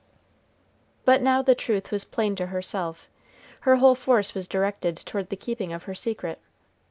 But now the truth was plain to herself, her whole force was directed toward the keeping of her secret.